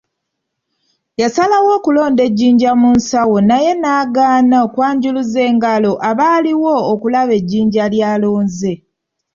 Yasalawo okulonda ejjinja mu nsawo naye n’agaana okwanjuluza engalo abaaliwo okulaba ejjinja ly’alonze.